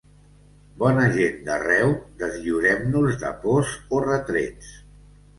Bona gent d’arreu, deslliurem-nos de pors o retrets.